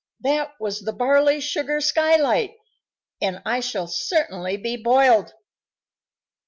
"That was the barley sugar skylight, and I shall certainly be boiled!"